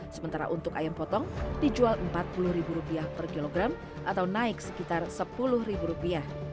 sementara untuk ayam potong dijual empat puluh ribu rupiah per kilogram atau naik sekitar sepuluh ribu rupiah